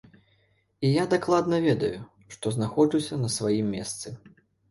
І я дакладна ведаю, што знаходжуся на сваім месцы.